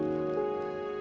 aku akan menjaga dia